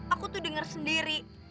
aku tuh denger sendiri